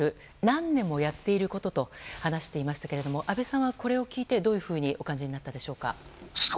何年もやっていることと話していましたが安倍さんはこれを聞いてどういうふうにお感じになったでしょうか。